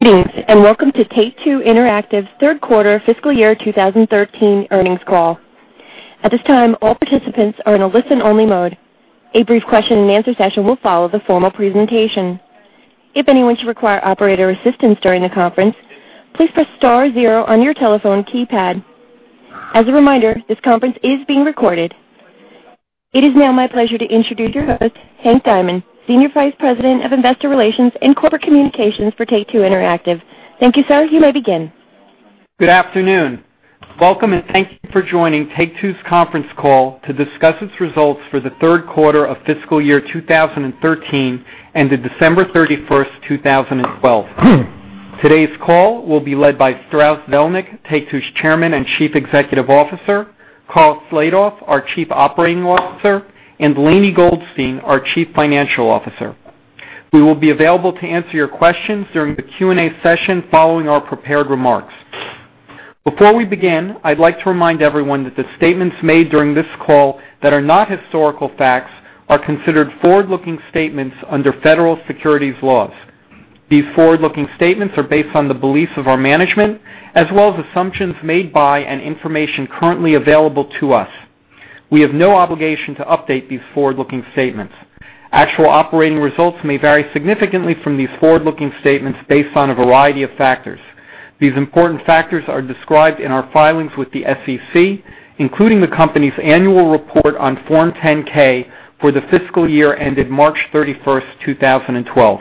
Good evening. Welcome to Take-Two Interactive third quarter fiscal year 2013 earnings call. At this time, all participants are in a listen-only mode. A brief question-and-answer session will follow the formal presentation. If anyone should require operator assistance during the conference, please press star zero on your telephone keypad. As a reminder, this conference is being recorded. It is now my pleasure to introduce your host, Henry Diamond, Senior Vice President of Investor Relations and Corporate Communications for Take-Two Interactive. Thank you, sir. You may begin. Good afternoon. Welcome. Thank you for joining Take-Two's conference call to discuss its results for the third quarter of fiscal year 2013, ended December 31st, 2012. Today's call will be led by Strauss Zelnick, Take-Two's Chairman and Chief Executive Officer, Karl Slatoff, our Chief Operating Officer, and Lainie Goldstein, our Chief Financial Officer. We will be available to answer your questions during the Q&A session following our prepared remarks. Before we begin, I'd like to remind everyone that the statements made during this call that are not historical facts are considered forward-looking statements under federal securities laws. These forward-looking statements are based on the beliefs of our management as well as assumptions made by and information currently available to us. We have no obligation to update these forward-looking statements. Actual operating results may vary significantly from these forward-looking statements based on a variety of factors. These important factors are described in our filings with the SEC, including the company's annual report on Form 10-K for the fiscal year ended March 31st, 2012.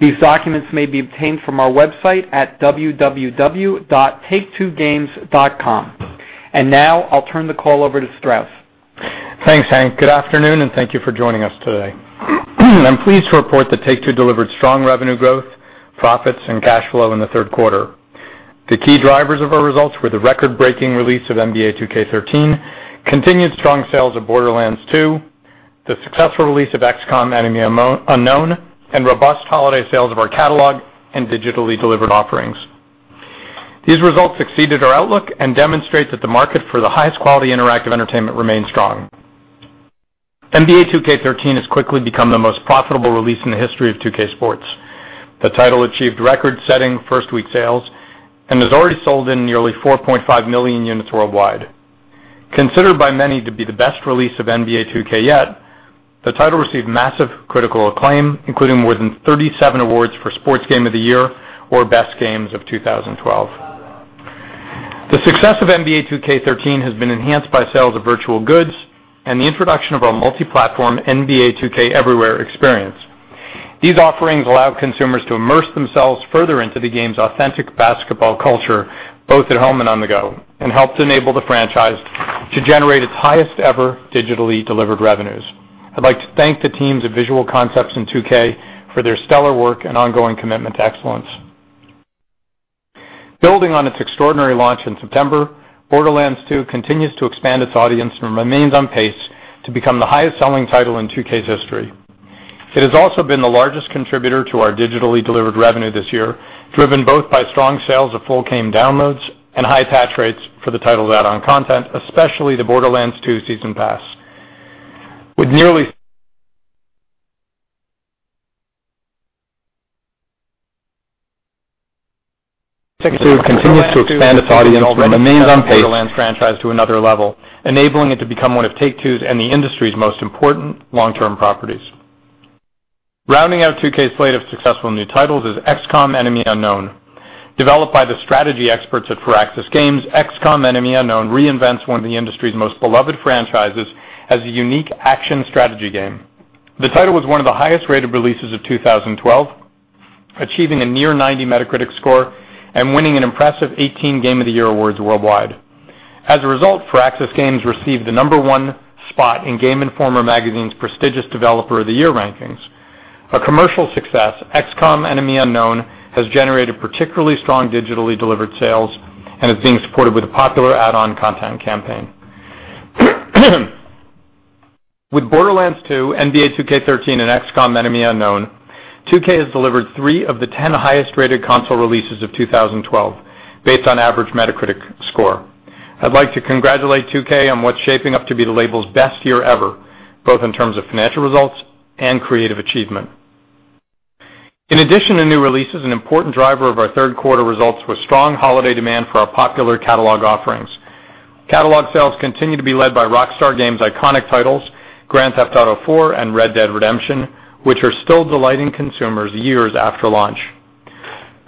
These documents may be obtained from our website at www.taketwogames.com. Now I'll turn the call over to Strauss. Thanks, Hank. Good afternoon. Thank you for joining us today. I'm pleased to report that Take-Two delivered strong revenue growth, profits, and cash flow in the third quarter. The key drivers of our results were the record-breaking release of "NBA 2K13," continued strong sales of "Borderlands 2," the successful release of "XCOM: Enemy Unknown," and robust holiday sales of our catalog and digitally delivered offerings. These results exceeded our outlook and demonstrate that the market for the highest quality interactive entertainment remains strong. "NBA 2K13" has quickly become the most profitable release in the history of 2K Sports. The title achieved record-setting first-week sales and has already sold in nearly 4.5 million units worldwide. Considered by many to be the best release of NBA 2K yet, the title received massive critical acclaim, including more than 37 awards for Sports Game of the Year or Best Games of 2012. The success of "NBA 2K13" has been enhanced by sales of virtual goods and the introduction of our multi-platform NBA 2K Everywhere experience. These offerings allow consumers to immerse themselves further into the game's authentic basketball culture, both at home and on the go, and helped enable the franchise to generate its highest ever digitally delivered revenues. I'd like to thank the teams of Visual Concepts and 2K for their stellar work and ongoing commitment to excellence. Building on its extraordinary launch in September, "Borderlands 2" continues to expand its audience and remains on pace to become the highest selling title in 2K's history. It has also been the largest contributor to our digitally delivered revenue this year, driven both by strong sales of full game downloads and high patch rates for the title's add-on content, especially the "Borderlands 2" Season Pass. With nearly Borderlands franchise to another level, enabling it to become one of Take-Two's and the industry's most important long-term properties. Rounding out 2K's slate of successful new titles is "XCOM: Enemy Unknown." Developed by the strategy experts at Firaxis Games, "XCOM: Enemy Unknown" reinvents one of the industry's most beloved franchises as a unique action strategy game. The title was one of the highest-rated releases of 2012, achieving a near 90 Metacritic score and winning an impressive 18 Game of the Year awards worldwide. As a result, Firaxis Games received the number 1 spot in Game Informer magazine's prestigious Developer of the Year rankings. A commercial success, "XCOM: Enemy Unknown" has generated particularly strong digitally delivered sales and is being supported with a popular add-on content campaign. With "Borderlands 2," "NBA 2K13," and "XCOM: Enemy Unknown," 2K has delivered 3 of the 10 highest-rated console releases of 2012 based on average Metacritic score. I'd like to congratulate 2K on what's shaping up to be the label's best year ever, both in terms of financial results and creative achievement. In addition to new releases, an important driver of our third quarter results was strong holiday demand for our popular catalog offerings. Catalog sales continue to be led by Rockstar Games' iconic titles, "Grand Theft Auto IV" and "Red Dead Redemption," which are still delighting consumers years after launch.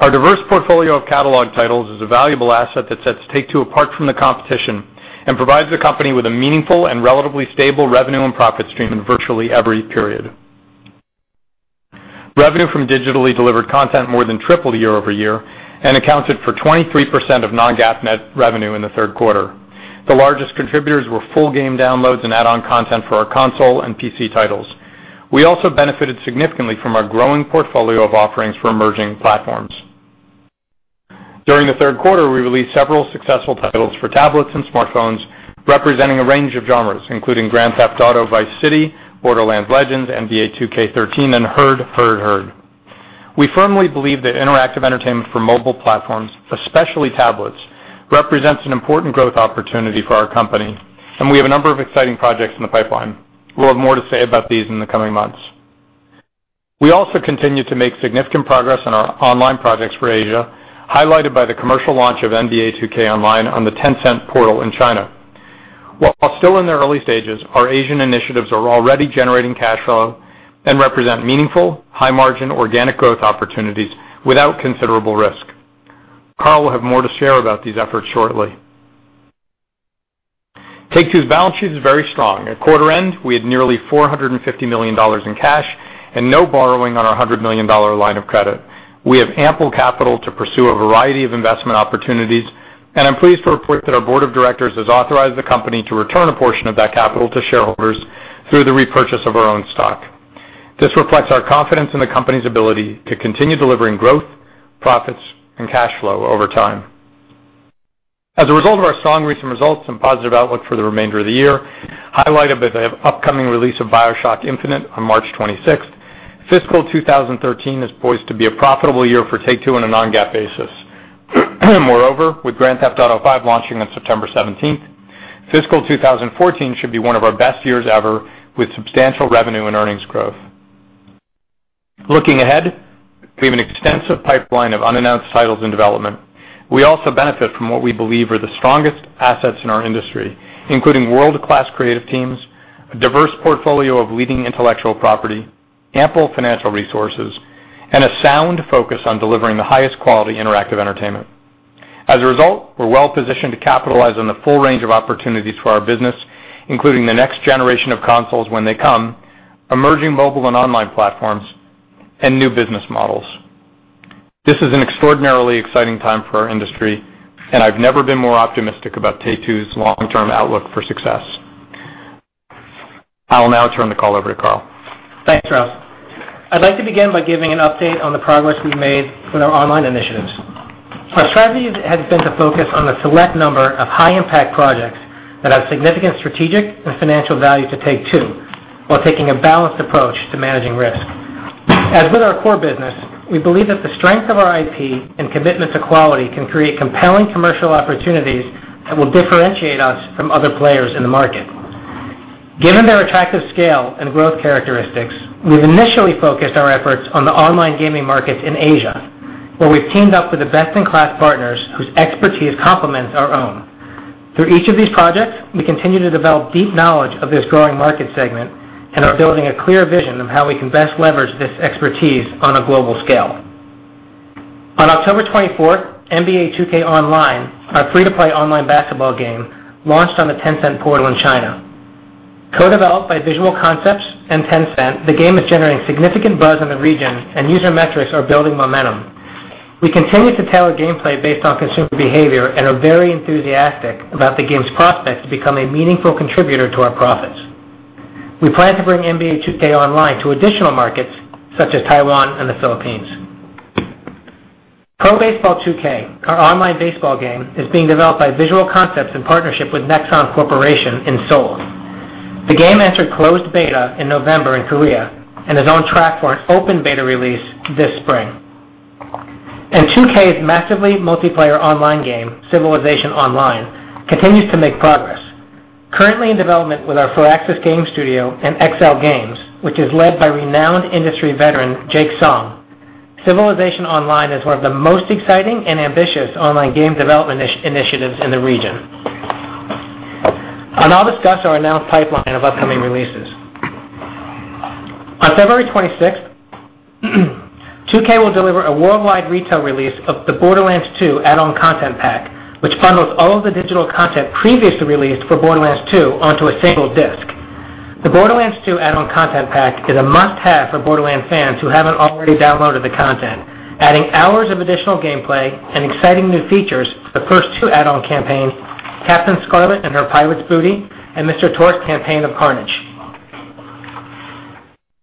Our diverse portfolio of catalog titles is a valuable asset that sets Take-Two apart from the competition and provides the company with a meaningful and relatively stable revenue and profit stream in virtually every period. Revenue from digitally delivered content more than tripled year-over-year and accounted for 23% of non-GAAP net revenue in the third quarter. The largest contributors were full game downloads and add-on content for our console and PC titles. We also benefited significantly from our growing portfolio of offerings for emerging platforms. During the third quarter, we released several successful titles for tablets and smartphones representing a range of genres, including "Grand Theft Auto: Vice City," "Borderlands Legends," "NBA 2K13," and "Herd Herd Herd." We firmly believe that interactive entertainment for mobile platforms, especially tablets represents an important growth opportunity for our company, and we have a number of exciting projects in the pipeline. We'll have more to say about these in the coming months. We also continue to make significant progress on our online projects for Asia, highlighted by the commercial launch of "NBA 2K Online" on the Tencent portal in China. While still in the early stages, our Asian initiatives are already generating cash flow and represent meaningful, high margin, organic growth opportunities without considerable risk. Karl will have more to share about these efforts shortly. Take-Two's balance sheet is very strong. At quarter end, we had nearly $450 million in cash and no borrowing on our $100 million line of credit. We have ample capital to pursue a variety of investment opportunities. I am pleased to report that our board of directors has authorized the company to return a portion of that capital to shareholders through the repurchase of our own stock. This reflects our confidence in the company's ability to continue delivering growth, profits, and cash flow over time. As a result of our strong recent results and positive outlook for the remainder of the year, highlighted by the upcoming release of "BioShock Infinite" on March 26th, fiscal 2013 is poised to be a profitable year for Take-Two on a non-GAAP basis. Moreover, with "Grand Theft Auto V" launching on September 17th, fiscal 2014 should be one of our best years ever, with substantial revenue and earnings growth. Looking ahead, we have an extensive pipeline of unannounced titles in development. We also benefit from what we believe are the strongest assets in our industry, including world-class creative teams, a diverse portfolio of leading intellectual property, ample financial resources, and a sound focus on delivering the highest quality interactive entertainment. As a result, we are well-positioned to capitalize on the full range of opportunities for our business, including the next generation of consoles when they come, emerging mobile and online platforms, and new business models. This is an extraordinarily exciting time for our industry, and I have never been more optimistic about Take-Two's long-term outlook for success. I will now turn the call over to Karl. Thanks, Strauss. I would like to begin by giving an update on the progress we have made with our online initiatives. Our strategy has been to focus on a select number of high-impact projects that have significant strategic and financial value to Take-Two, while taking a balanced approach to managing risk. As with our core business, we believe that the strength of our IP and commitment to quality can create compelling commercial opportunities that will differentiate us from other players in the market. Given their attractive scale and growth characteristics, we have initially focused our efforts on the online gaming market in Asia, where we have teamed up with the best-in-class partners whose expertise complements our own. Through each of these projects, we continue to develop deep knowledge of this growing market segment and are building a clear vision of how we can best leverage this expertise on a global scale. On October 24th, "NBA 2K Online," our free-to-play online basketball game, launched on the Tencent portal in China. Co-developed by Visual Concepts and Tencent, the game is generating significant buzz in the region, and user metrics are building momentum. We continue to tailor gameplay based on consumer behavior and are very enthusiastic about the game's prospects to become a meaningful contributor to our profits. We plan to bring "NBA 2K Online" to additional markets, such as Taiwan and the Philippines. "Pro Baseball 2K," our online baseball game, is being developed by Visual Concepts in partnership with Nexon Corporation in Seoul. The game entered closed beta in November in Korea and is on track for an open beta release this spring. 2K's massively multiplayer online game, "Civilization Online," continues to make progress. Currently in development with our Firaxis Games studio and XL Games, which is led by renowned industry veteran Jake Song, "Civilization Online" is one of the most exciting and ambitious online game development initiatives in the region. I'll now discuss our announced pipeline of upcoming releases. On February 26th, 2K will deliver a worldwide retail release of the "Borderlands 2" add-on content pack, which bundles all of the digital content previously released for "Borderlands 2" onto a single disc. The "Borderlands 2" add-on content pack is a must-have for Borderlands fans who haven't already downloaded the content, adding hours of additional gameplay and exciting new features, the first two add-on campaigns, Captain Scarlett and her Pirate's Booty and Mr. Torgue's Campaign of Carnage.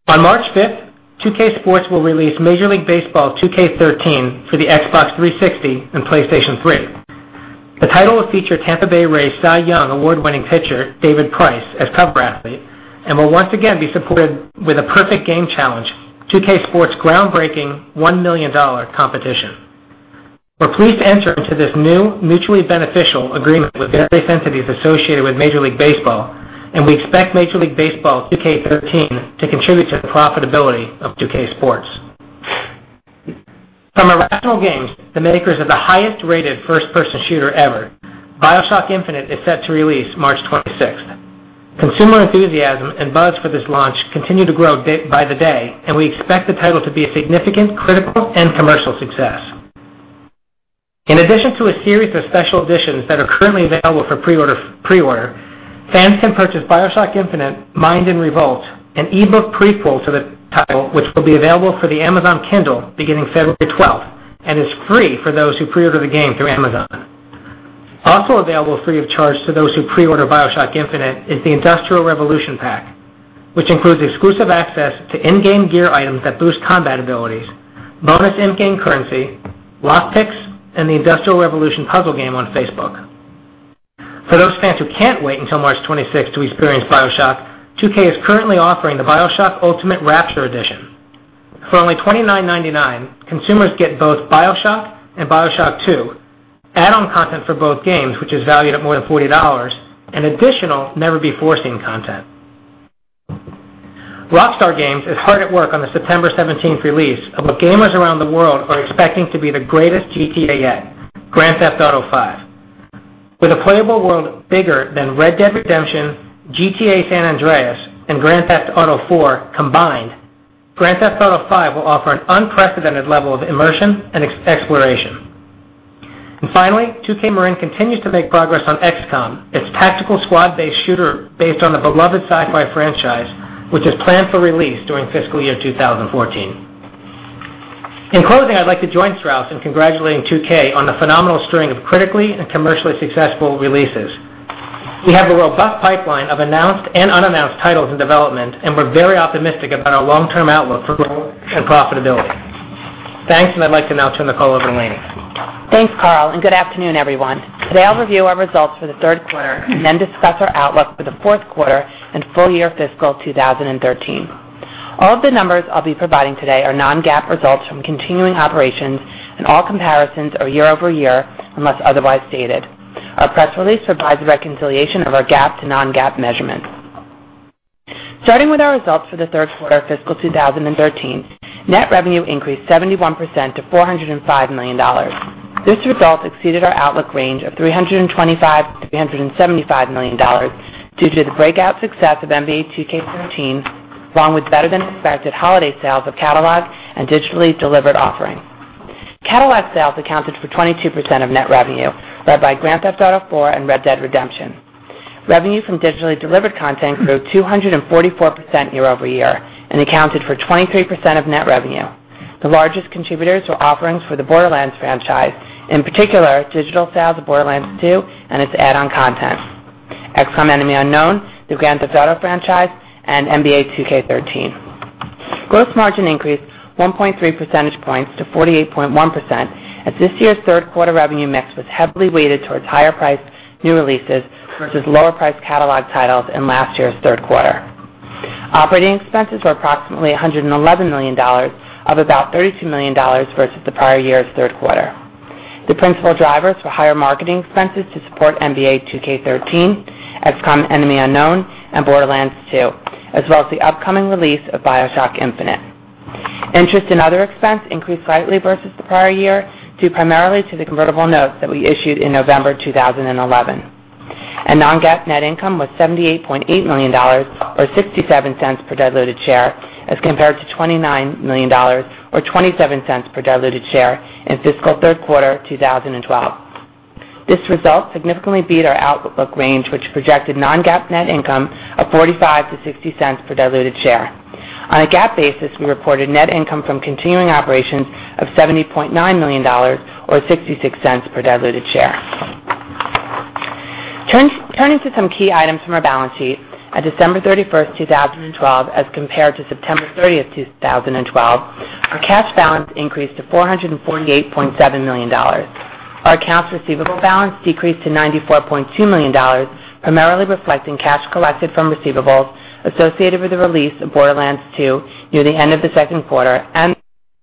On March 5th, 2K Sports will release "Major League Baseball 2K13" for the Xbox 360 and PlayStation 3. The title will feature Tampa Bay Rays Cy Young award-winning pitcher David Price as cover athlete and will once again be supported with a perfect game challenge, 2K Sports' groundbreaking $1 million competition. We're pleased to enter into this new, mutually beneficial agreement with the entities associated with Major League Baseball, we expect "Major League Baseball 2K13" to contribute to the profitability of 2K Sports. From Irrational Games, the makers of the highest-rated first-person shooter ever, "BioShock Infinite" is set to release March 26th. Consumer enthusiasm and buzz for this launch continue to grow by the day, we expect the title to be a significant critical and commercial success. In addition to a series of special editions that are currently available for pre-order, fans can purchase "BioShock Infinite: Mind in Revolt," an e-book prequel to the title, which will be available for the Amazon Kindle beginning February 12th and is free for those who pre-order the game through Amazon. Also available free of charge to those who pre-order "BioShock Infinite" is the Industrial Revolution Pack, which includes exclusive access to in-game gear items that boost combat abilities, bonus in-game currency, lock picks, and the Industrial Revolution puzzle game on Facebook. For those fans who can't wait until March 26th to experience "BioShock," 2K is currently offering the "BioShock Ultimate Rapture Edition." For only $29.99, consumers get both "BioShock" and "BioShock 2," add-on content for both games, which is valued at more than $40, additional never-before-seen content. Rockstar Games is hard at work on the September 17th release of what gamers around the world are expecting to be the greatest "GTA" yet, "Grand Theft Auto V." With a playable world bigger than "Red Dead Redemption," "GTA: San Andreas," and "Grand Theft Auto IV" combined, "Grand Theft Auto V" will offer an unprecedented level of immersion and exploration. Finally, 2K Marin continues to make progress on "XCOM," its tactical squad-based shooter based on the beloved sci-fi franchise, which is planned for release during fiscal year 2014. In closing, I'd like to join Strauss in congratulating 2K on the phenomenal string of critically and commercially successful releases. We have a robust pipeline of announced and unannounced titles in development, we're very optimistic about our long-term outlook for growth and profitability. Thanks, I'd like to now turn the call over to Lainie. Thanks, Karl, good afternoon, everyone. Today, I'll review our results for the third quarter. Then discuss our outlook for the fourth quarter and full year fiscal 2013. All of the numbers I'll be providing today are non-GAAP results from continuing operations. All comparisons are year-over-year unless otherwise stated. Our press release provides a reconciliation of our GAAP to non-GAAP measurements. Starting with our results for the third quarter of fiscal 2013, net revenue increased 71% to $405 million. This result exceeded our outlook range of $325 million-$375 million due to the breakout success of "NBA 2K13," along with better-than-expected holiday sales of catalog and digitally delivered offerings. Catalog sales accounted for 22% of net revenue, led by "Grand Theft Auto IV" and "Red Dead Redemption." Revenue from digitally delivered content grew 244% year-over-year and accounted for 23% of net revenue. The largest contributors were offerings for the "Borderlands" franchise, in particular, digital sales of "Borderlands 2" and its add-on content, "XCOM: Enemy Unknown," the "Grand Theft Auto" franchise, and "NBA 2K13." Gross margin increased 1.3 percentage points to 48.1% as this year's third quarter revenue mix was heavily weighted towards higher-priced new releases versus lower-priced catalog titles in last year's third quarter. Operating expenses were approximately $111 million, up about $32 million versus the prior year's third quarter. The principal drivers were higher marketing expenses to support "NBA 2K13," "XCOM: Enemy Unknown," and "Borderlands 2," as well as the upcoming release of "BioShock Infinite." Interest and other expense increased slightly versus the prior year due primarily to the convertible notes that we issued in November 2011. Non-GAAP net income was $78.8 million, or $0.67 per diluted share, as compared to $29 million, or $0.27 per diluted share in fiscal third quarter 2012. This result significantly beat our outlook range, which projected non-GAAP net income of $0.45-$0.60 per diluted share. On a GAAP basis, we reported net income from continuing operations of $70.9 million, or $0.66 per diluted share. Turning to some key items from our balance sheet, at December 31st, 2012, as compared to September 30th, 2012, our cash balance increased to $448.7 million. Our accounts receivable balance decreased to $94.2 million, primarily reflecting cash collected from receivables associated with the release of "Borderlands 2" near the end of the second quarter and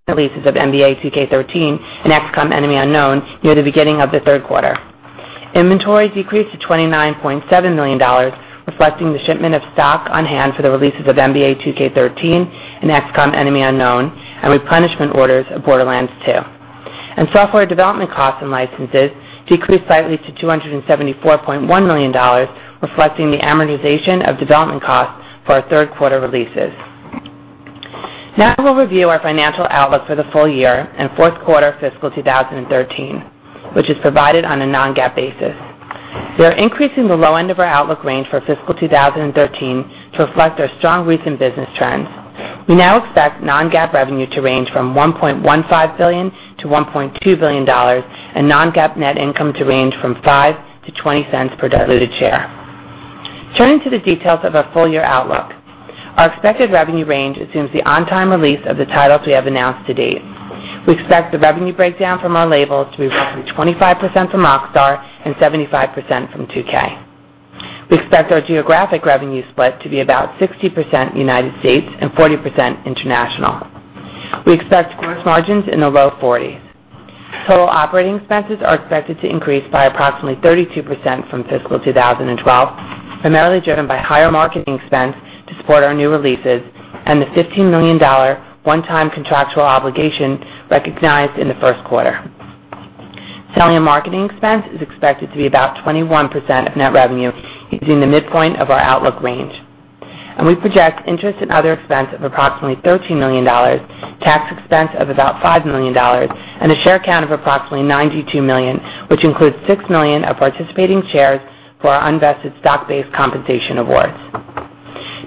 the releases of "NBA 2K13" and "XCOM: Enemy Unknown" near the beginning of the third quarter. Inventories decreased to $29.7 million, reflecting the shipment of stock on hand for the releases of "NBA 2K13" and "XCOM: Enemy Unknown," and replenishment orders of "Borderlands 2." Software development costs and licenses decreased slightly to $274.1 million, reflecting the amortization of development costs for our third quarter releases. Now we'll review our financial outlook for the full year and fourth quarter fiscal 2013, which is provided on a non-GAAP basis. We are increasing the low end of our outlook range for fiscal 2013 to reflect our strong recent business trends. We now expect non-GAAP revenue to range from $1.15 billion-$1.2 billion and non-GAAP net income to range from $0.05-$0.20 per diluted share. Turning to the details of our full-year outlook, our expected revenue range assumes the on-time release of the titles we have announced to date. We expect the revenue breakdown from our labels to be roughly 25% from Rockstar and 75% from 2K. We expect our geographic revenue split to be about 60% U.S. and 40% international. We expect gross margins in the low 40s. Total operating expenses are expected to increase by approximately 32% from fiscal 2012, primarily driven by higher marketing expense to support our new releases and the $15 million one-time contractual obligation recognized in the first quarter. Selling and marketing expense is expected to be about 21% of net revenue using the midpoint of our outlook range. We project interest and other expense of approximately $13 million, tax expense of about $5 million, and a share count of approximately 92 million, which includes 6 million of participating shares for our unvested stock-based compensation awards.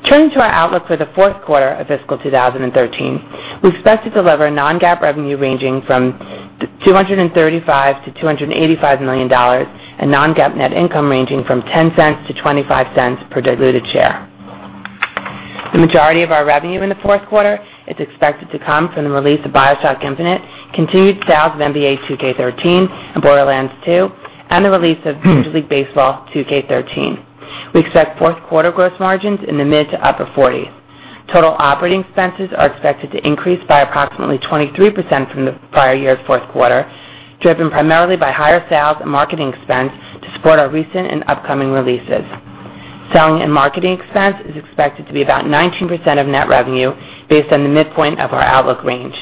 Turning to our outlook for the fourth quarter of fiscal 2013, we expect to deliver non-GAAP revenue ranging from $235 million-$285 million and non-GAAP net income ranging from $0.10 to $0.25 per diluted share. The majority of our revenue in the fourth quarter is expected to come from the release of BioShock Infinite, continued sales of NBA 2K13 and Borderlands 2, and the release of Major League Baseball 2K13. We expect fourth quarter gross margins in the mid to upper 40s. Total operating expenses are expected to increase by approximately 23% from the prior year's fourth quarter, driven primarily by higher sales and marketing expense to support our recent and upcoming releases. Selling and marketing expense is expected to be about 19% of net revenue based on the midpoint of our outlook range.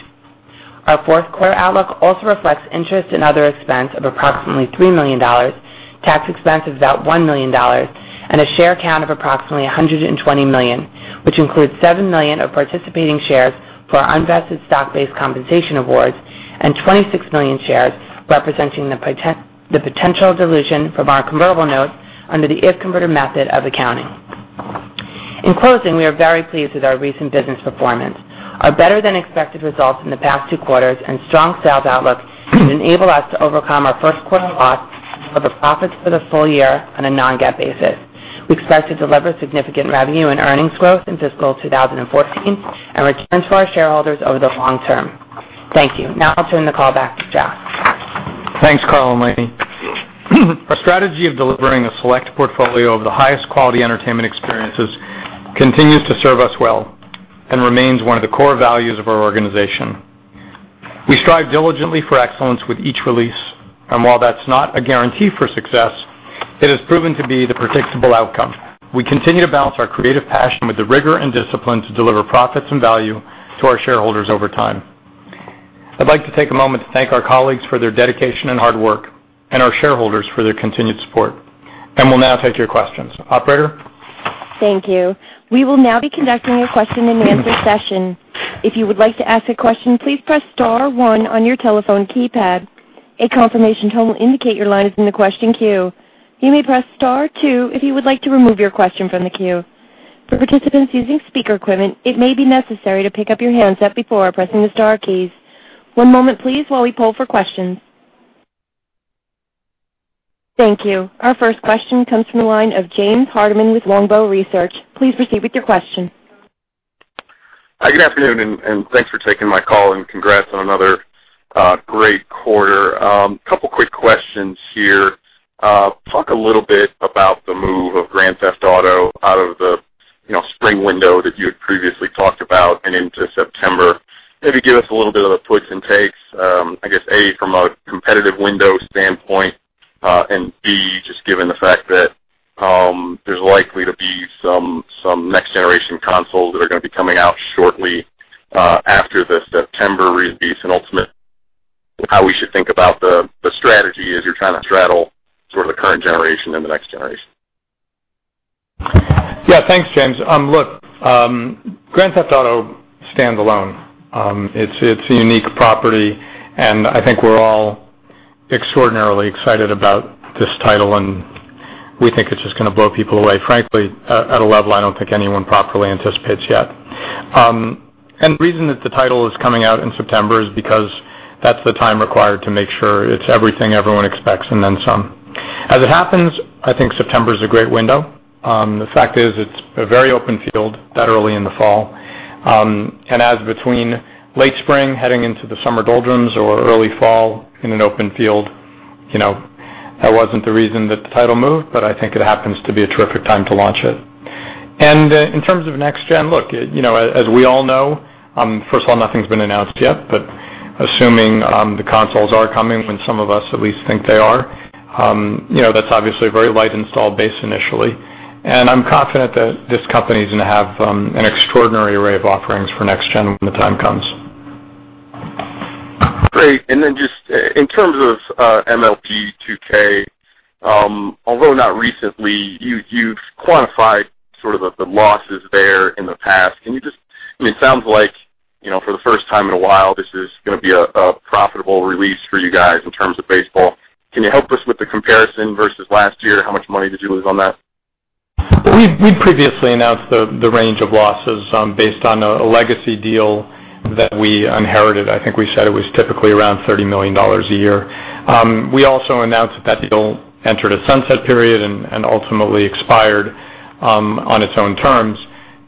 Our fourth quarter outlook also reflects interest in other expense of approximately $3 million, tax expense of about $1 million, and a share count of approximately 120 million, which includes 7 million of participating shares for our unvested stock-based compensation awards and 26 million shares, representing the potential dilution from our convertible notes under the if-converted method of accounting. In closing, we are very pleased with our recent business performance. Our better-than-expected results in the past two quarters and strong sales outlook should enable us to overcome our first quarter loss for the profits for the full year on a non-GAAP basis. We expect to deliver significant revenue and earnings growth in fiscal 2014 and returns for our shareholders over the long term. Thank you. Now I'll turn the call back. Thanks, Karl and Lainie. Our strategy of delivering a select portfolio of the highest quality entertainment experiences continues to serve us well and remains one of the core values of our organization. We strive diligently for excellence with each release, while that's not a guarantee for success, it has proven to be the predictable outcome. We continue to balance our creative passion with the rigor and discipline to deliver profits and value to our shareholders over time. I'd like to take a moment to thank our colleagues for their dedication and hard work and our shareholders for their continued support, will now take your questions. Operator? Thank you. We will now be conducting a question-and-answer session. If you would like to ask a question, please press star one on your telephone keypad. A confirmation tone will indicate your line is in the question queue. You may press star two if you would like to remove your question from the queue. For participants using speaker equipment, it may be necessary to pick up your handset before pressing the star keys. One moment, please, while we poll for questions. Thank you. Our first question comes from the line of James Hardiman with Longbow Research. Please proceed with your question. Hi, good afternoon, thanks for taking my call, congrats on another great quarter. A couple of quick questions here. Talk a little bit about the move of Grand Theft Auto out of the spring window that you had previously talked about and into September. Maybe give us a little bit of the puts and takes, I guess, A, from a competitive window standpoint, B, just given the fact that there's likely to be some next-generation consoles that are going to be coming out shortly after the September release, ultimately, how we should think about the strategy as you're trying to straddle sort of the current generation and the next generation. Yeah. Thanks, James. Look, Grand Theft Auto stands alone. It's a unique property, I think we're all extraordinarily excited about this title, we think it's just going to blow people away, frankly, at a level I don't think anyone properly anticipates yet. The reason that the title is coming out in September is because that's the time required to make sure it's everything everyone expects, then some. As it happens, I think September is a great window. The fact is it's a very open field that early in the fall. As between late spring heading into the summer doldrums or early fall in an open field, that wasn't the reason that the title moved, I think it happens to be a terrific time to launch it. In terms of next gen, look, as we all know, first of all, nothing's been announced yet, assuming the consoles are coming, when some of us at least think they are, that's obviously a very light install base initially. I'm confident that this company is going to have an extraordinary array of offerings for next gen when the time comes. Great. Just in terms of MLB 2K, although not recently, you've quantified sort of the losses there in the past. It sounds like, for the first time in a while, this is going to be a profitable release for you guys in terms of baseball. Can you help us with the comparison versus last year? How much money did you lose on that? We previously announced the range of losses based on a legacy deal that we inherited. I think we said it was typically around $30 million a year. We also announced that deal entered a sunset period and ultimately expired on its own terms.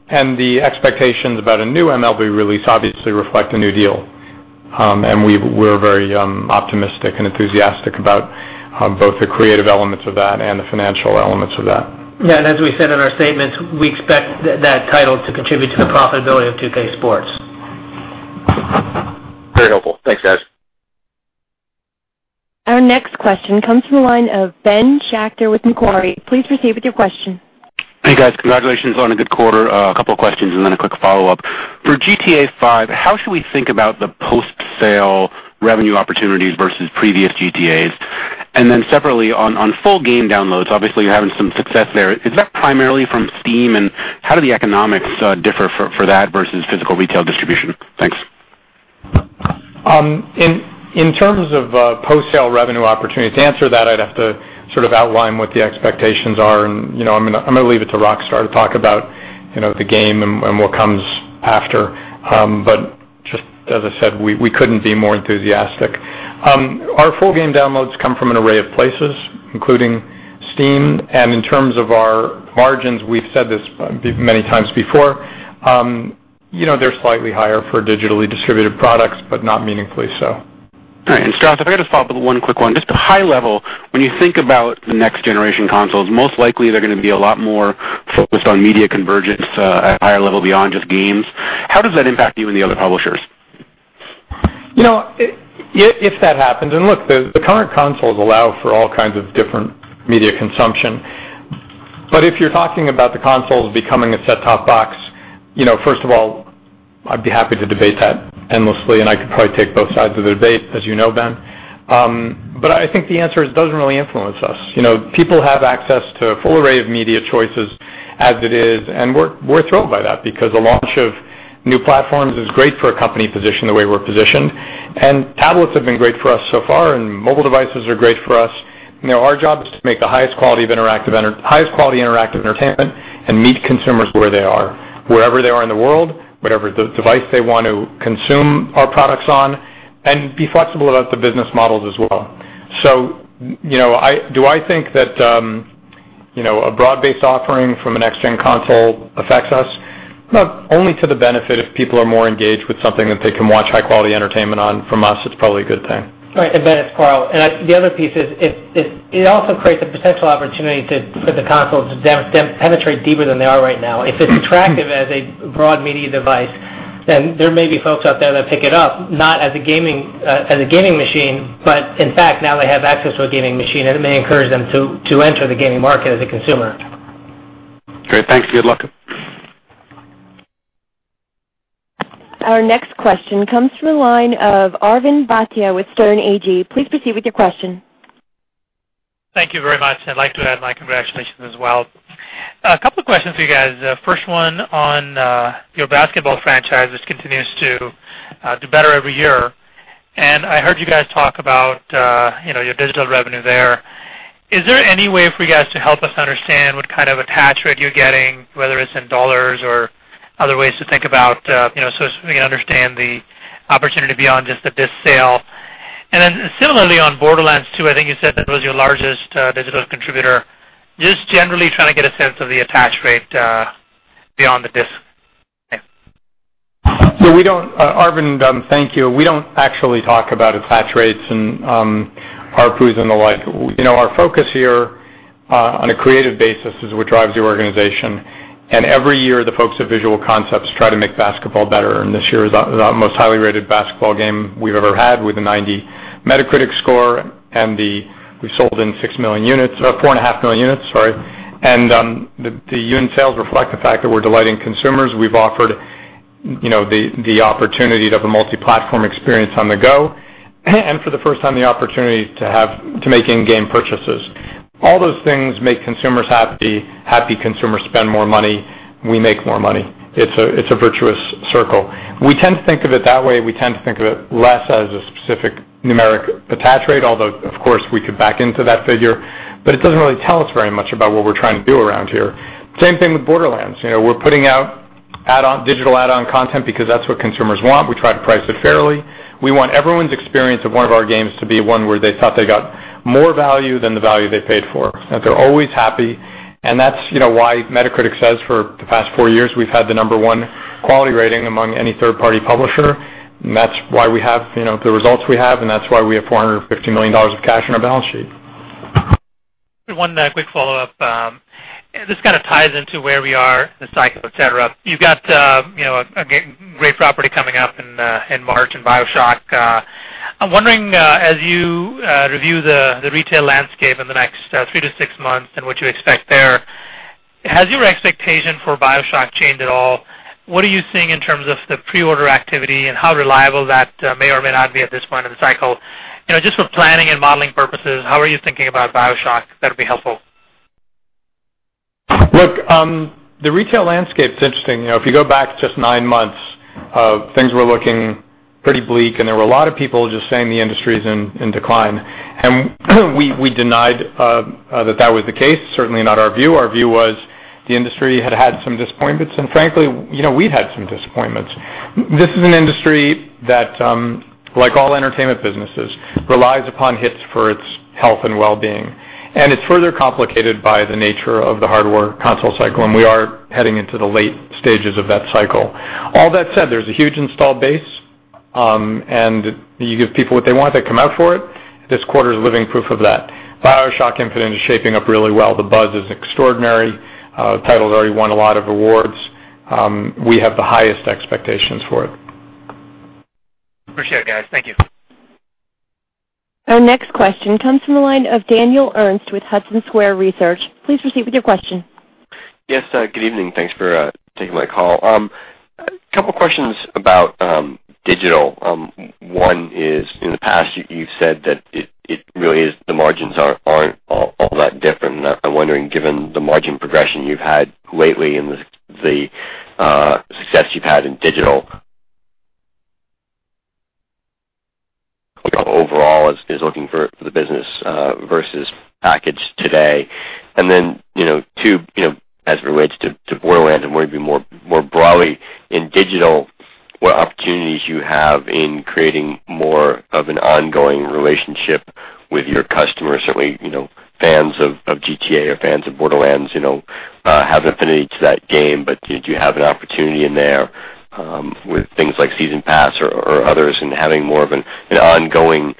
The expectations about a new MLB release obviously reflect a new deal. We're very optimistic and enthusiastic about both the creative elements of that and the financial elements of that. Yeah, as we said in our statements, we expect that title to contribute to the profitability of 2K Sports. Very helpful. Thanks, guys. Our next question comes from the line of Ben Schachter with Macquarie. Please proceed with your question. Hey, guys. Congratulations on a good quarter. A couple of questions and then a quick follow-up. For GTA V, how should we think about the post-sale revenue opportunities versus previous GTAs? Separately, on full game downloads, obviously, you're having some success there. Is that primarily from Steam, and how do the economics differ for that versus physical retail distribution? Thanks. In terms of post-sale revenue opportunity, to answer that, I'd have to sort of outline what the expectations are and I'm going to leave it to Rockstar to talk about the game and what comes after. Just as I said, we couldn't be more enthusiastic. Our full game downloads come from an array of places, including Steam, and in terms of our margins, we've said this many times before, they're slightly higher for digitally distributed products, but not meaningfully so. All right. Strauss, if I could just follow up with one quick one. Just high level, when you think about the next-generation consoles, most likely they're going to be a lot more focused on media convergence at a higher level beyond just games. How does that impact you and the other publishers? If that happens, look, the current consoles allow for all kinds of different media consumption. If you're talking about the consoles becoming a set-top box, first of all, I'd be happy to debate that endlessly, and I could probably take both sides of the debate, as you know, Ben. I think the answer is it doesn't really influence us. People have access to a full array of media choices as it is, and we're thrilled by that because the launch of new platforms is great for a company positioned the way we're positioned. Tablets have been great for us so far, and mobile devices are great for us. Our job is to make the highest quality interactive entertainment and meet consumers where they are, wherever they are in the world, whatever device they want to consume our products on, and be flexible about the business models as well. Do I think that a broad-based offering from a next-gen console affects us? No. Only to the benefit if people are more engaged with something that they can watch high-quality entertainment on from us, it's probably a good thing. All right. Ben, it's Karl. The other piece is it also creates a potential opportunity for the consoles to penetrate deeper than they are right now. If it's attractive as a broad media device, there may be folks out there that pick it up, not as a gaming machine, but in fact, now they have access to a gaming machine, and it may encourage them to enter the gaming market as a consumer. Great. Thanks. Good luck. Our next question comes from the line of Arvind Bhatia with Sterne Agee. Please proceed with your question. Thank you very much. I'd like to add my congratulations as well. A couple of questions for you guys. First one on your basketball franchise, which continues to do better every year. I heard you guys talk about your digital revenue there. Is there any way for you guys to help us understand what kind of attach rate you're getting, whether it's in dollars or other ways to think about so we can understand the opportunity beyond just the disc sale? Then similarly on "Borderlands 2," I think you said that was your largest digital contributor. Just generally trying to get a sense of the attach rate beyond the disc. Thanks. Arvind, thank you. We don't actually talk about attach rates and ARPU and the like. Our focus here on a creative basis is what drives the organization. Every year, the folks at Visual Concepts try to make basketball better, and this year is our most highly rated basketball game we've ever had with a 90 Metacritic score, and we sold 4.5 million units. The unit sales reflect the fact that we're delighting consumers. We've offered the opportunity to have a multi-platform experience on the go, and for the first time, the opportunity to make in-game purchases. All those things make consumers happy. Happy consumers spend more money. We make more money. It's a virtuous circle. We tend to think of it that way. We tend to think of it less as a specific numeric attach rate, although, of course, we could back into that figure, but it doesn't really tell us very much about what we're trying to do around here. Same thing with "Borderlands." We're putting out digital add-on content because that's what consumers want. We try to price it fairly. We want everyone's experience of one of our games to be one where they thought they got more value than the value they paid for, that they're always happy, and that's why Metacritic says for the past four years we've had the number one quality rating among any third-party publisher. That's why we have the results we have, and that's why we have $450 million of cash on our balance sheet. One quick follow-up. This kind of ties into where we are in the cycle, et cetera. You've got a great property coming up in March in BioShock. I'm wondering, as you review the retail landscape in the next three to six months and what you expect there, has your expectation for BioShock changed at all? What are you seeing in terms of the pre-order activity and how reliable that may or may not be at this point in the cycle? Just for planning and modeling purposes, how are you thinking about BioShock? That'd be helpful. Look, the retail landscape's interesting. If you go back just nine months, things were looking pretty bleak and there were a lot of people just saying the industry is in decline. We denied that that was the case, certainly not our view. Our view was the industry had had some disappointments, and frankly, we'd had some disappointments. This is an industry that like all entertainment businesses, relies upon hits for its health and well-being, and it's further complicated by the nature of the hardware console cycle, and we are heading into the late stages of that cycle. All that said, there's a huge installed base, and you give people what they want, they come out for it. This quarter is living proof of that. BioShock Infinite is shaping up really well. The buzz is extraordinary. Title's already won a lot of awards. We have the highest expectations for it. Appreciate it, guys. Thank you. Our next question comes from the line of Daniel Ernst with Hudson Square Research. Please proceed with your question. Yes, good evening. Thanks for taking my call. A couple questions about digital. One is, in the past, you've said that the margins aren't all that different. I'm wondering, given the margin progression you've had lately and the success you've had in digital overall is looking for the business versus packaged today. 2, as it relates to Borderlands and maybe more broadly in digital, what opportunities you have in creating more of an ongoing relationship with your customers? Certainly, fans of GTA or fans of Borderlands have affinity to that game, but did you have an opportunity in there with things like season pass or others and having more of an ongoing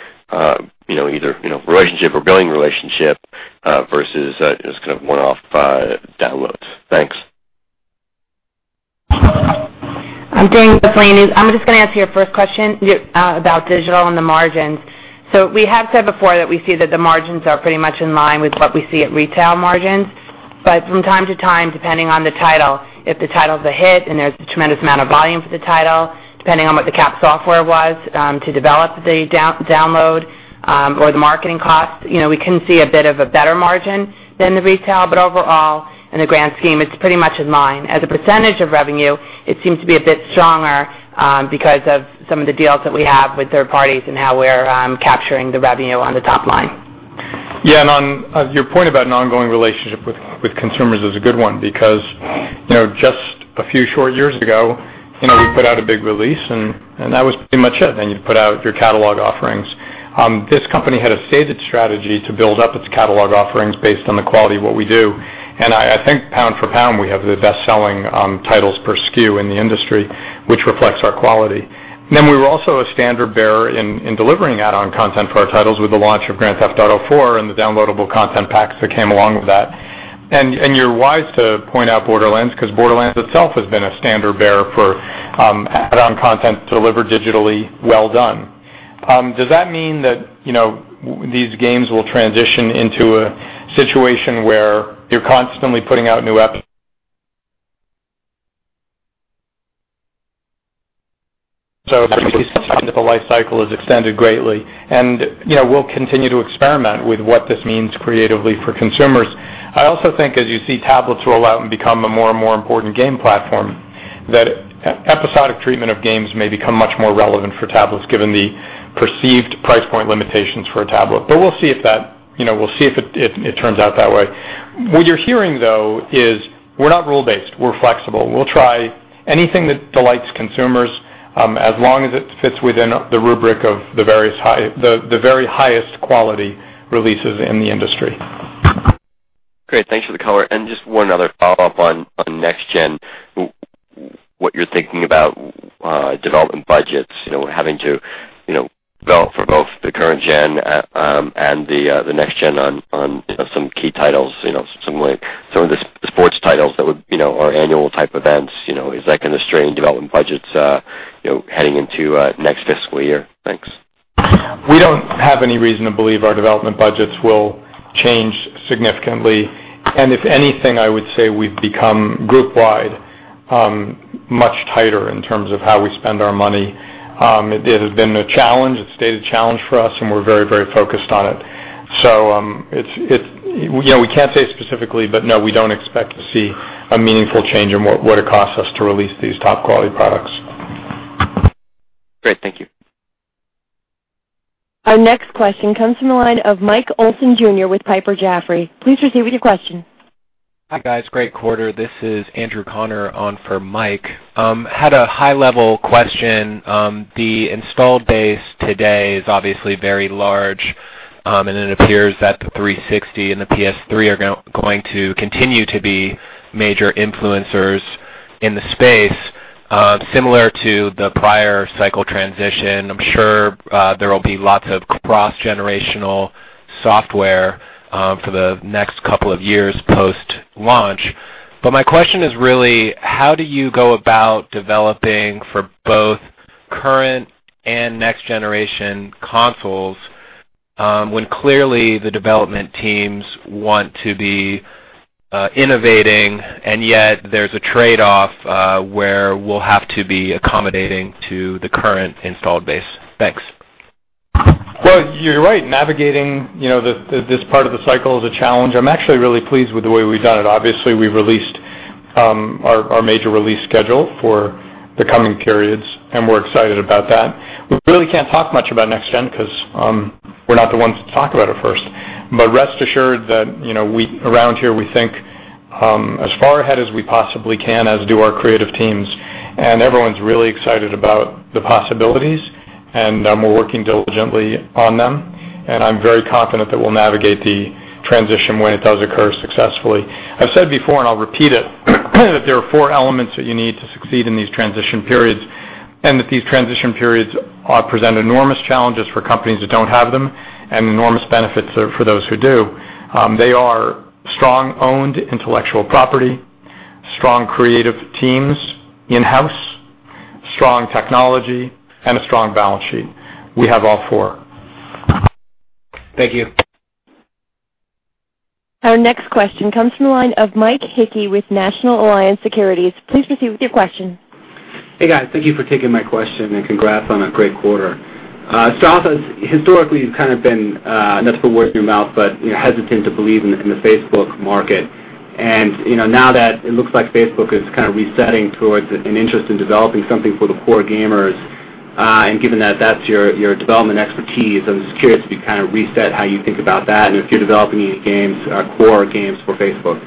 either relationship or billing relationship versus just kind of one-off downloads? Thanks. Dan with Bloomberg News. I'm just going to answer your first question about digital and the margins. We have said before that we see that the margins are pretty much in line with what we see at retail margins. From time to time, depending on the title, if the title is a hit and there's a tremendous amount of volume for the title, depending on what the CapEx software was to develop the download or the marketing cost, we can see a bit of a better margin than the retail, but overall, in the grand scheme, it's pretty much in line. As a percentage of revenue, it seems to be a bit stronger because of some of the deals that we have with third parties and how we're capturing the revenue on the top line. On your point about an ongoing relationship with consumers is a good one because just a few short years ago, we put out a big release and that was pretty much it. You put out your catalog offerings. This company had a stated strategy to build up its catalog offerings based on the quality of what we do. I think pound for pound, we have the best-selling titles per SKU in the industry, which reflects our quality. We were also a standard-bearer in delivering add-on content for our titles with the launch of Grand Theft Auto IV and the downloadable content packs that came along with that. You're wise to point out Borderlands because Borderlands itself has been a standard-bearer for add-on content delivered digitally well done. Does that mean that these games will transition into a situation where you're constantly putting out new episodes so the life cycle is extended greatly, and we'll continue to experiment with what this means creatively for consumers. I also think as you see tablets roll out and become a more and more important game platform, that episodic treatment of games may become much more relevant for tablets given the perceived price point limitations for a tablet. We'll see if it turns out that way. What you're hearing, though, is we're not rule-based. We're flexible. We'll try anything that delights consumers as long as it fits within the rubric of the very highest quality releases in the industry. Great. Thanks for the color. Just one other follow-up on next-gen, what you're thinking about development budgets, having to develop for both the current-gen and the next-gen on some key titles, some of the sports titles that are annual type events. Is that going to strain development budgets heading into next fiscal year? Thanks. We don't have any reason to believe our development budgets will change significantly. If anything, I would say we've become group-wide much tighter in terms of how we spend our money. It has been a challenge. It's stayed a challenge for us, and we're very focused on it. We can't say specifically, but no, we don't expect to see a meaningful change in what it costs us to release these top-quality products. Great. Thank you. Our next question comes from the line of Mike Olson Jr. with Piper Jaffray. Please proceed with your question. Hi, guys. Great quarter. This is Andrew Connor on for Mike. I had a high-level question. The install base today is obviously very large, and it appears that the 360 and the PS3 are going to continue to be major influencers in the space. Similar to the prior cycle transition, I'm sure there will be lots of cross-generational software for the next couple of years post-launch. My question is really how do you go about developing for both current and next-generation consoles when clearly the development teams want to be innovating and yet there's a trade-off where we'll have to be accommodating to the current installed base? Thanks. Well, you're right. Navigating this part of the cycle is a challenge. I'm actually really pleased with the way we've done it. Obviously, we've released our major release schedule for the coming periods, and we're excited about that. We really can't talk much about next gen because we're not the ones to talk about it first. Rest assured that around here, we think as far ahead as we possibly can, as do our creative teams, and everyone's really excited about the possibilities, and we're working diligently on them. I'm very confident that we'll navigate the transition when it does occur successfully. I've said before, and I'll repeat it, that there are four elements that you need to succeed in these transition periods and that these transition periods present enormous challenges for companies that don't have them and enormous benefits for those who do. They are strong owned intellectual property, strong creative teams in-house, strong technology, and a strong balance sheet. We have all four. Thank you. Our next question comes from the line of Mike Hickey with National Alliance Securities. Please proceed with your question. Hey, guys. Thank you for taking my question and congrats on a great quarter. Strauss has historically kind of been, not to put words in your mouth, but hesitant to believe in the Facebook market. Now that it looks like Facebook is kind of resetting towards an interest in developing something for the core gamers, and given that that's your development expertise, I'm just curious if you kind of reset how you think about that and if you're developing any core games for Facebook.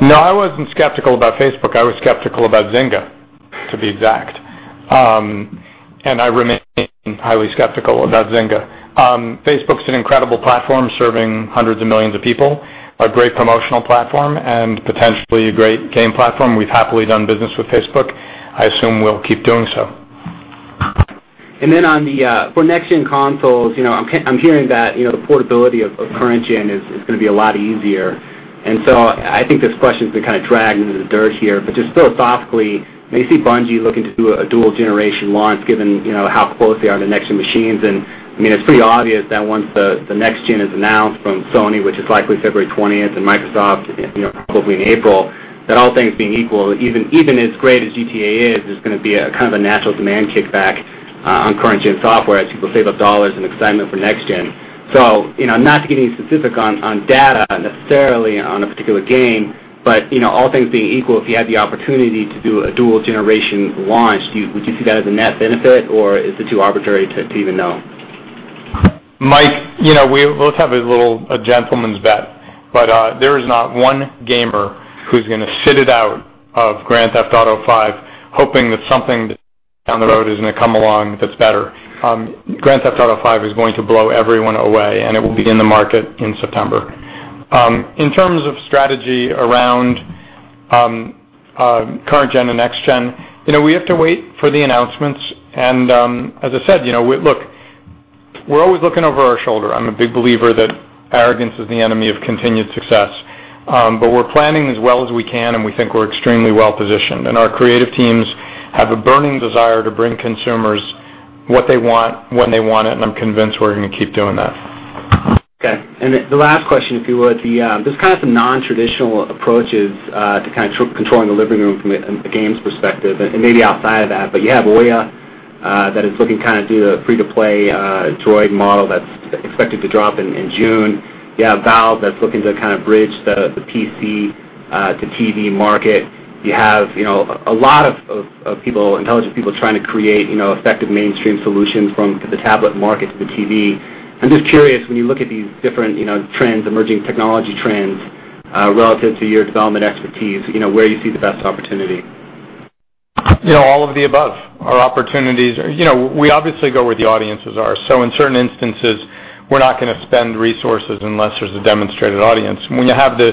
No, I wasn't skeptical about Facebook. I was skeptical about Zynga, to be exact. I remain highly skeptical about Zynga. Facebook's an incredible platform, serving hundreds of millions of people, a great promotional platform, and potentially a great game platform. We've happily done business with Facebook. I assume we'll keep doing so. Then for next-gen consoles, I'm hearing that the portability of current gen is going to be a lot easier. So I think this question's been kind of dragged into the dirt here, but just philosophically, may see Bungie looking to do a dual-generation launch given how close they are to next-gen machines. It's pretty obvious that once the next gen is announced from Sony, which is likely February 20th, and Microsoft, probably in April, that all things being equal, even as great as "GTA" is, there's going to be a kind of a natural demand kickback on current gen software as people save up dollars in excitement for next gen. Not to get you specific on data necessarily on a particular game, but all things being equal, if you had the opportunity to do a dual-generation launch, would you see that as a net benefit, or is it too arbitrary to even know? Mike, let's have a little gentleman's bet. There is not one gamer who's going to sit it out of Grand Theft Auto V hoping that something down the road is going to come along that's better. Grand Theft Auto V is going to blow everyone away, and it will be in the market in September. In terms of strategy around current gen and next gen, we have to wait for the announcements and, as I said, look, we're always looking over our shoulder. I'm a big believer that arrogance is the enemy of continued success. We're planning as well as we can, and we think we're extremely well-positioned. Our creative teams have a burning desire to bring consumers what they want, when they want it, and I'm convinced we're going to keep doing that. Okay. The last question, if you would, there's kind of some non-traditional approaches to kind of controlling the living room from a games perspective and maybe outside of that. You have Ouya that is looking kind of do the free-to-play Android model that's expected to drop in June. You have Valve that's looking to kind of bridge the PC to TV market. You have a lot of intelligent people trying to create effective mainstream solutions from the tablet market to the TV. I'm just curious, when you look at these different trends, emerging technology trends, relative to your development expertise, where you see the best opportunity? All of the above are opportunities. In certain instances, we're not going to spend resources unless there's a demonstrated audience. When you have the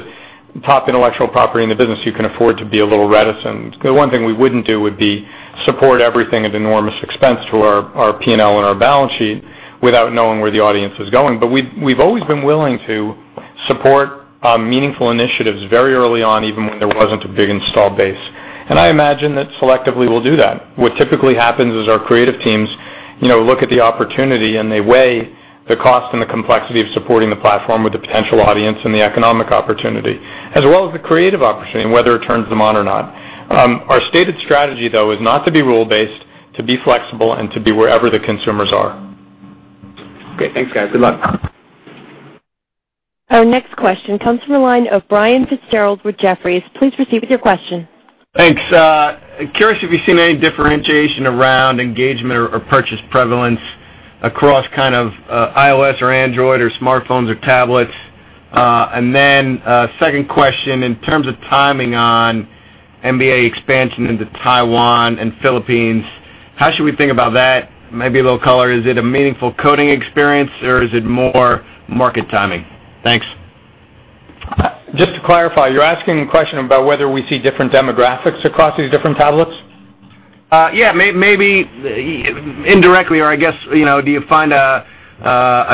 top intellectual property in the business, you can afford to be a little reticent. The one thing we wouldn't do would be support everything at enormous expense to our P&L and our balance sheet without knowing where the audience is going. We've always been willing to support meaningful initiatives very early on, even when there wasn't a big install base. I imagine that selectively we'll do that. What typically happens is our creative teams look at the opportunity, and they weigh the cost and the complexity of supporting the platform with the potential audience and the economic opportunity, as well as the creative opportunity and whether it turns them on or not. Our stated strategy, though, is not to be rule-based, to be flexible, and to be wherever the consumers are. Okay, thanks guys. Good luck. Our next question comes from the line of Brian Fitzgerald with Jefferies. Please proceed with your question. Thanks. Curious if you've seen any differentiation around engagement or purchase prevalence across iOS or Android or smartphones or tablets. Second question, in terms of timing on NBA expansion into Taiwan and Philippines, how should we think about that? Maybe a little color. Is it a meaningful coding experience, or is it more market timing? Thanks. Just to clarify, you're asking a question about whether we see different demographics across these different tablets? Yeah, maybe indirectly or I guess do you find a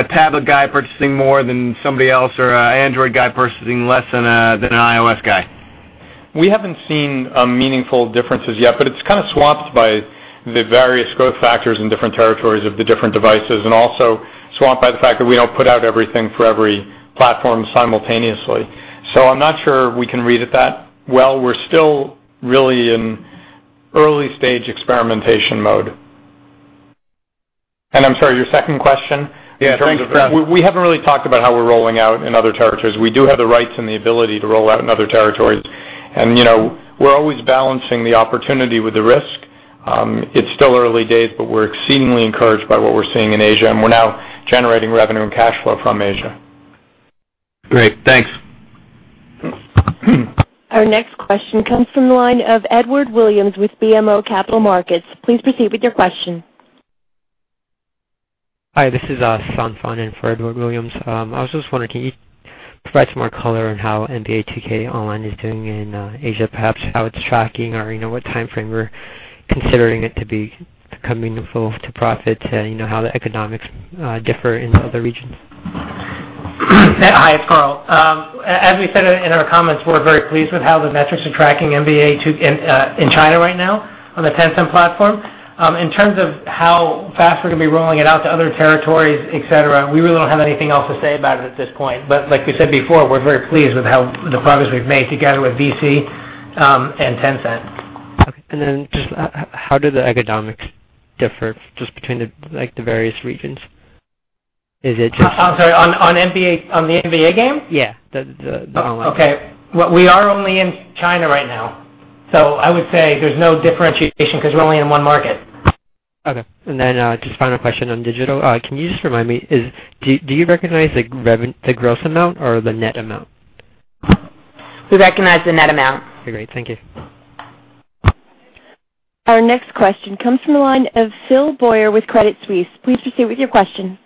tablet guy purchasing more than somebody else or an Android guy purchasing less than an iOS guy? We haven't seen meaningful differences yet. It's kind of swamped by the various growth factors in different territories of the different devices and also swamped by the fact that we don't put out everything for every platform simultaneously. I'm not sure we can read it that well. We're still really in early stage experimentation mode. I'm sorry, your second question? Yeah, in terms of- We haven't really talked about how we're rolling out in other territories. We do have the rights and the ability to roll out in other territories. We're always balancing the opportunity with the risk. It's still early days, but we're exceedingly encouraged by what we're seeing in Asia, and we're now generating revenue and cash flow from Asia. Great, thanks. Our next question comes from the line of Edward Williams with BMO Capital Markets. Please proceed with your question. Hi, this is Stephen in for Edward Williams. I was just wondering, can you provide some more color on how NBA 2K Online is doing in Asia, perhaps how it's tracking or what timeframe you're considering it to be becoming full to profit, how the economics differ in other regions? Hi, it's Karl. As we said in our comments, we're very pleased with how the metrics are tracking NBA in China right now on the Tencent platform. In terms of how fast we're going to be rolling it out to other territories, et cetera, we really don't have anything else to say about it at this point. Like we said before, we're very pleased with the progress we've made together with VC and Tencent. Okay. Then just how do the economics differ just between the various regions? Is it just- I'm sorry, on the NBA game? Yeah, the online. Okay. We are only in China right now. I would say there's no differentiation because we're only in one market. Okay. Just final question on digital. Can you just remind me, do you recognize the gross amount or the net amount? We recognize the net amount. Okay, great. Thank you. Our next question comes from the line of Phil Boyer with Credit Suisse. Please proceed with your question.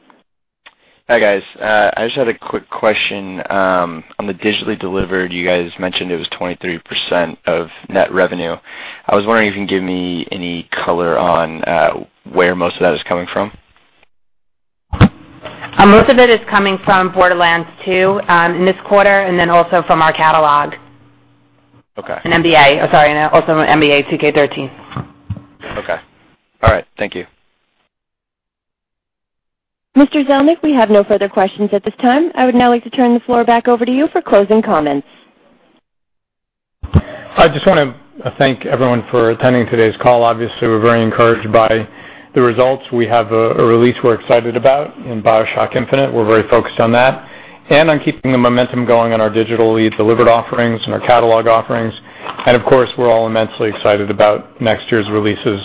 Hi, guys. I just had a quick question. On the digitally delivered, you guys mentioned it was 23% of net revenue. I was wondering if you can give me any color on where most of that is coming from. Most of it is coming from Borderlands 2 in this quarter and then also from our catalog. Okay. NBA. I'm sorry, also NBA 2K13. Okay. All right. Thank you. Mr. Zelnick, we have no further questions at this time. I would now like to turn the floor back over to you for closing comments. I just want to thank everyone for attending today's call. Obviously, we're very encouraged by the results. We have a release we're excited about in "BioShock Infinite." We're very focused on that and on keeping the momentum going on our digitally delivered offerings and our catalog offerings. Of course, we're all immensely excited about next year's releases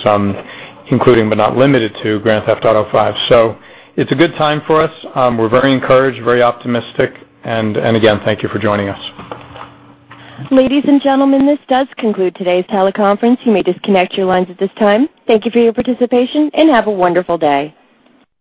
including, but not limited to, "Grand Theft Auto V." It's a good time for us. We're very encouraged, very optimistic, and again, thank you for joining us. Ladies and gentlemen, this does conclude today's teleconference. You may disconnect your lines at this time. Thank you for your participation, and have a wonderful day.